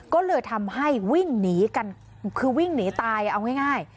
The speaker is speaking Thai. ก็เลยทำให้วิ่งหนีกันคือวิ่งหนีตายเอาง่าย